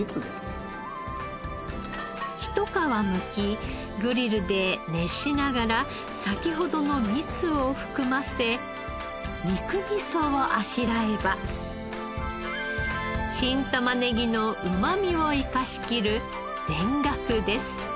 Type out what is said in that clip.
ひと皮むきグリルで熱しながら先ほどの蜜を含ませ肉みそをあしらえば新玉ねぎのうまみを生かしきる。